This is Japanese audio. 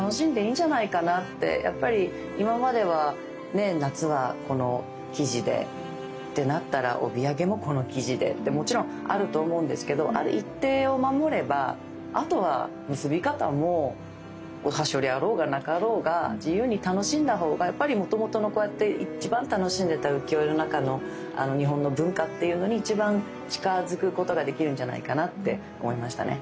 やっぱり今まではね夏はこの生地でってなったら帯揚げもこの生地でってもちろんあると思うんですけどある一定を守ればあとは結び方もおはしょりあろうがなかろうが自由に楽しんだほうがやっぱりもともとのこうやって一番楽しんでた浮世絵の中の日本の文化っていうのに一番近づくことができるんじゃないかなって思いましたね。